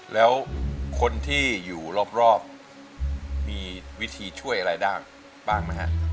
แล้วคนที่อยู่รอบมีวิธีช่วยอะไรบ้างไหมฮะ